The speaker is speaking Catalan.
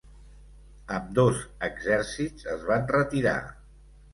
Ambdós exèrcits es van retirar.